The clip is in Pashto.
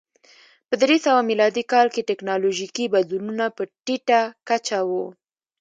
په درې سوه میلادي کال کې ټکنالوژیکي بدلونونه په ټیټه کچه و.